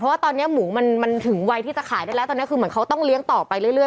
เพราะว่าตอนนี้หมูมันถึงวัยที่จะขายได้แล้วตอนนี้คือเหมือนเขาต้องเลี้ยงต่อไปเรื่อย